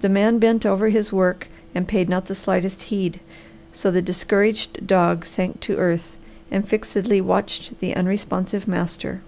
The man bent over his work and paid not the slightest heed, so the discouraged dog sank to earth and fixedly watched the unresponsive master.